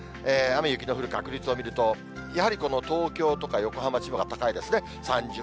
雨、雪の降る確率を見ると、やはりこの東京とか横浜、千葉が高いですね。